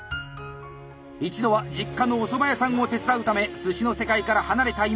一度は実家のおそば屋さんを手伝うため寿司の世界から離れた今泉。